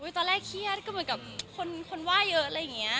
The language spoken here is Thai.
ตอนแรกเครียดเป็นคนว่าเยอะ